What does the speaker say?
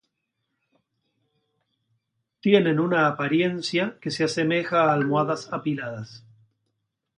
Tienen una apariencia que se asemeja a almohadas apiladas.